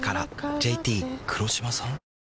ＪＴ黒島さん？